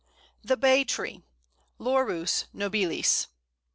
The Bay Tree (Laurus nobilis).